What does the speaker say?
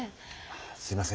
すいません。